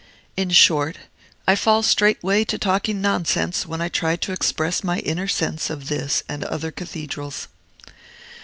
In short, I fall straightway to talking nonsense, when I try to express my inner sense of this and other cathedrals.